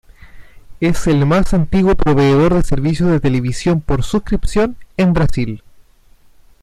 Es el más antiguo proveedor de servicios de televisión por suscripción en Brasil.